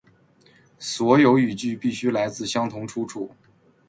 所有语句必须来自相同出处